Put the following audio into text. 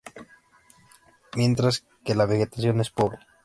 Mientras que la vegetación es pobre.